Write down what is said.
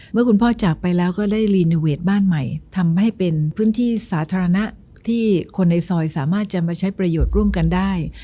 เมื่อคุณพ่อจากไปแล้วก็ได้รีโนเวทบ้านใหม่ทำให้เป็นพื้นที่สาธารณะที่คนในซอยสามารถจะมาใช้ประโยชน์ร่วมกันได้